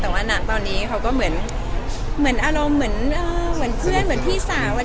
แต่ว่าตอนนี้เขาก็เหมือนอารมณ์เหมือนเพื่อนเหมือนพี่สาว